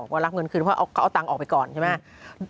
ว่ารับเงินคืนเพราะเขาเอาตังค์ออกไปก่อนใช่ไหม